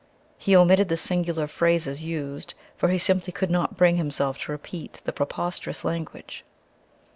He omitted the singular phrases used, for he simply could not bring himself to repeat the preposterous language.